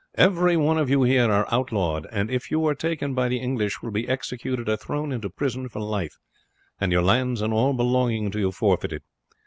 Every one of you here are outlawed, and if you are taken by the English will be executed or thrown in prison for life, and your lands and all belonging to you forfeited.